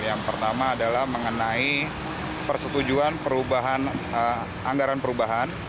yang pertama adalah mengenai persetujuan perubahan anggaran perubahan